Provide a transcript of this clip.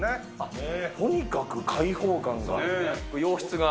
とにかく開放感が。